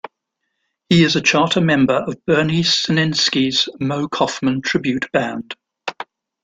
He is a charter member of Bernie Senensky's Moe Koffman Tribute Band.